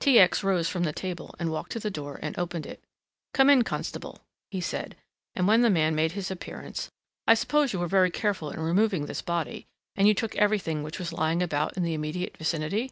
T. X. rose from the table and walked to the door and opened it. "Come in, constable," he said, and when the man made his appearance, "I suppose you were very careful in removing this body, and you took everything which was lying about in the immediate vicinity'?"